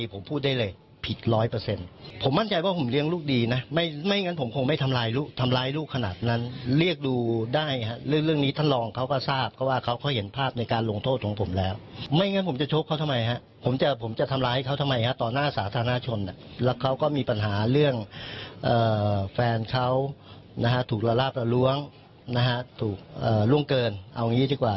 แฟนเขาถูกระลาภหลวงเอาอย่างนี้ดีกว่า